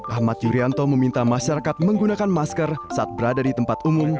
ahmad yuryanto meminta masyarakat menggunakan masker saat berada di tempat umum